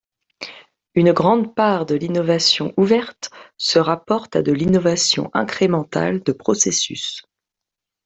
Une grande part de l'innovation ouverte se rapporte à de l'innovation incrémentale de processus.